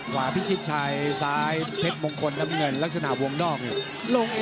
ขวาพิชิตชัยซ้ายเผ็ดมงคลน้ำเงินลักษณะวงด้อง